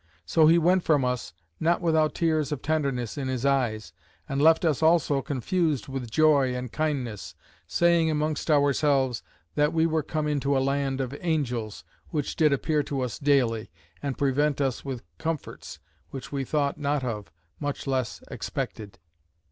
So he went from us, not without tears of tenderness in his eyes; and left us also confused with joy and kindness, saying amongst ourselves; "That we were come into a land of angels, which did appear to us daily, and prevent us with comforts, which we thought not of, much less expected."